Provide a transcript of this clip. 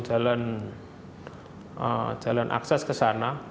jalan akses ke sana